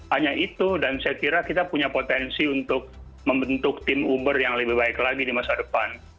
hanya itu dan saya kira kita punya potensi untuk membentuk tim uber yang lebih baik lagi di masa depan